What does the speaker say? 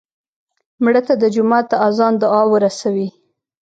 مړه ته د جومات د اذان دعا ورسوې